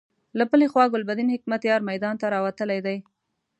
له بلې خوا ګلبدين حکمتیار میدان ته راوتلی دی.